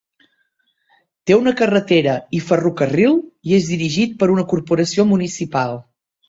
Té una carretera i ferrocarril i és dirigit per una corporació municipal.